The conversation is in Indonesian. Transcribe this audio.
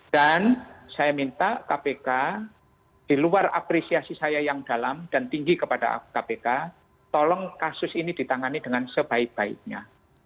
dan saya minta kpk di luar apresiasi saya yang dalam dan tinggi kepada kpk tolong kasus ini ditangani dengan sebaik baiknya